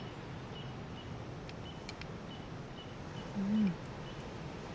うん。